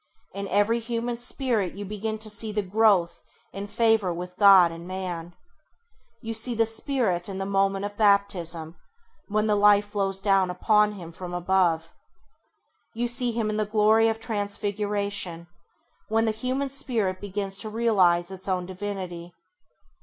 In every human Spirit you begin to see the growth in favour with God and man. You see the Spirit in the moment of baptism, when the life flows down upon him from above. You see him in the glory of transfiguration, when the human Spirit begins to realise his own divinity.